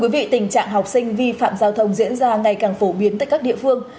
vì tình trạng học sinh vi phạm giao thông diễn ra ngày càng phổ biến tại các địa phương